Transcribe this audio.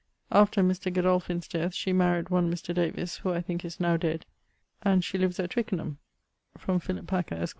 After Mr. Godolphin's death she maried one Mr. Davys who I thinke is now dead, and she lives at Twicknam from Philip Packer, esq.